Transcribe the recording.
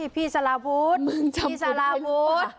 พี่สาราวุธพี่สาราวุธ